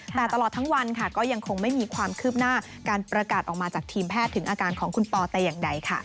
แต่ตลอดทั้งวันค่ะก็ยังคงไม่มีความคืบหน้าการประกาศออกมาจากทีมแพทย์ถึงอาการของคุณปอแต่อย่างใดค่ะ